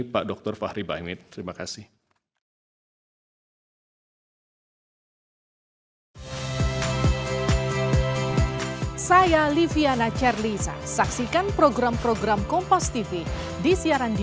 pak dr fahri bahmit terima kasih